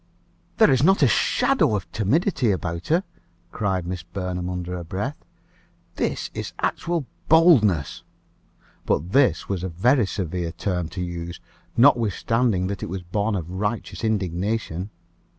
"There is not a shadow of timidity about her," cried Mrs. Burnham under her breath. "This is actual boldness." But this was a very severe term to use, notwithstanding that it was born of righteous indignation.